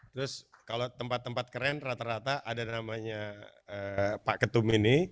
terus kalau tempat tempat keren rata rata ada namanya pak ketum ini